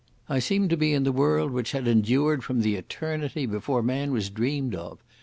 I seemed to be in the world which had endured from the eternity before man was dreamed of.